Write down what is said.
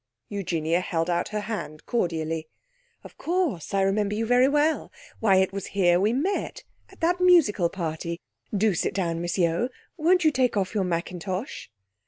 Eugenia held out her hand cordially. 'Of course, I remember you very well. Why, it was here we met! At that musical party! Do sit down, Miss Yeo. Won't you take off your mackintosh?'